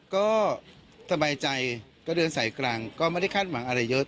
ก็สบายใจก็เดินสายกลางก็ไม่ได้คาดหวังอะไรเยอะ